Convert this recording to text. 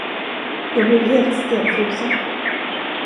Jag blev helt stelfrusen.